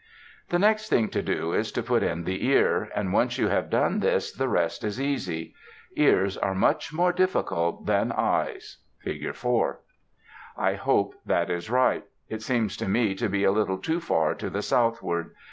The next thing to do is to put in the ear; and once you have done this the rest is easy. Ears are much more difficult than eyes (Fig. 4). [Illustration: FIG. 4] I hope that is right. It seems to me to be a little too far to the southward.